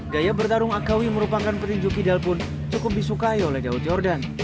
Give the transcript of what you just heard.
gaya bertarung akawi merupakan petinju kidal pun cukup disukai oleh daud yordan